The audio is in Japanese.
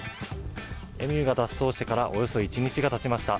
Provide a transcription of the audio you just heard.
エミューが脱走してから、およそ１日がたちました。